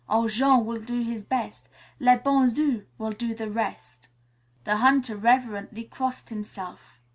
Ol' Jean will do his best. Le bon Dieu will do the rest." The hunter reverently crossed himself.